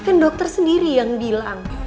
kan dokter sendiri yang bilang